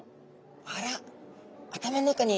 あら頭の中に。